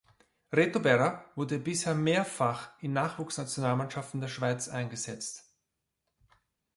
Reto Berra wurde bisher mehrfach in Nachwuchs-Nationalmannschaften der Schweiz eingesetzt.